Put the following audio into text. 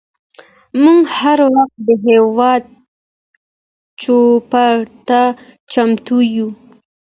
موږ هر وخت د هیواد چوپړ ته چمتو یوو.